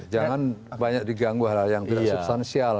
jangan banyak diganggu hal hal yang tidak substansial